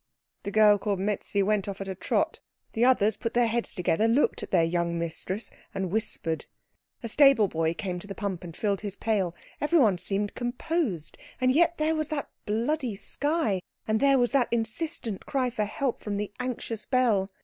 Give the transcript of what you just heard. The girl called Mietze went off at a trot. The others put their heads together, looked at their young mistress, and whispered. A stable boy came to the pump and filled his pail. Everyone seemed composed, and yet there was that bloody sky, and there was that insistent cry for help from the anxious bell.